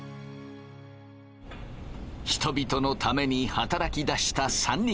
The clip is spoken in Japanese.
人々のために働きだした３人。